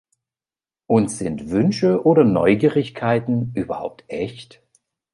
Und sind Wünsche oder Neugierigkeiten überhaupt echt?